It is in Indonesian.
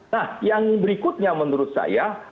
nah yang berikutnya menurut saya